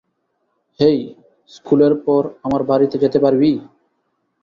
হেই, স্কুলের পর আমার বাড়িতে যেতে পারবি?